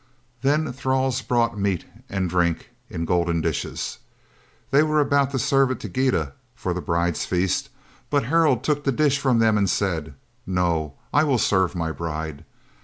Then thralls brought meat and drink in golden dishes. They were about to serve it to Gyda for the bride's feast, but Harald took the dish from them and said: "No, I will serve my bride."